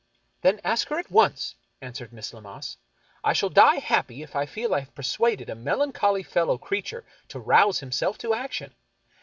" Then ask her at once," answered Miss Lammas. " I shall die happy if I feel I have persuaded a melancholy fel low creature to rouse himself to action.